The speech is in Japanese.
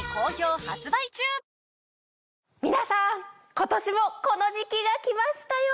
今年もこの時期が来ましたよ。